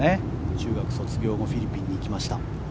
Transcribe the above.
中学卒業後フィリピンに行きました。